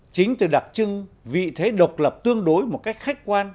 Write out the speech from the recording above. chính từ đặc trưng vị thế độc lập tương đối một cách khách quan